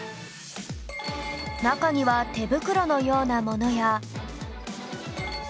中には手袋のようなものや